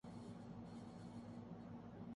بن Affan رضی اللہ عنہ کا دور خلافت وہ تاریخی